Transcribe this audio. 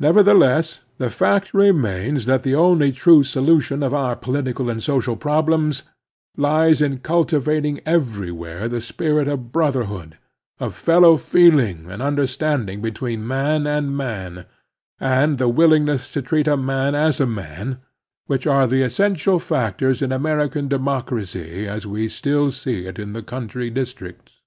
Nevertheless, the fact re Tmains that the only true solution of our political I and social problems lies in ctdtivating everywhere \ihe spirit of brotherhood, of fellow feeling and A Political Factor 71 understanding between man and man, and the willingness to treat a man as a man, which are the essential factors in American democracy as we still see it in the country districts.